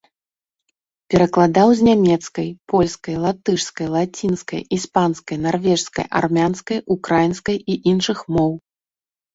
Перакладаў з нямецкай, польскай, латышскай, лацінскай, іспанскай, нарвежскай, армянскай, украінскай і іншых моў.